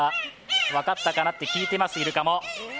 分かったかなって聞いてますイルカも。